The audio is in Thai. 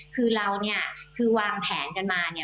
คือเราเนี่ยคือวางแผนกันมาเนี่ย